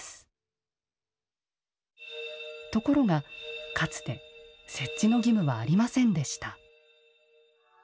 ところがかつて設置の義務はありませんでした。